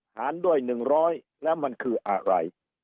ฐานด้วยหนึ่งร้อยแล้วมันคืออะไร